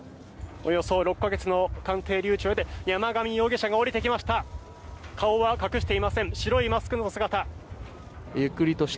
およそ６か月の鑑定留置を経て山上容疑者が降りてきました。